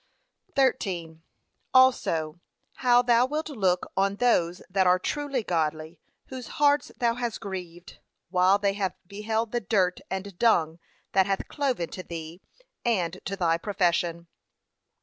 13. Also, how thou wilt look on those that are truly godly, whose hearts thou has grieved, while they have beheld the dirt and dung that hath cloven to thee and to thy profession.